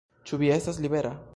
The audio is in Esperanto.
Ĉu vi estas libera?